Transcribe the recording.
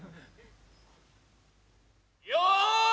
よい。